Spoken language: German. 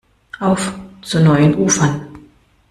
Auf zu neuen Ufern!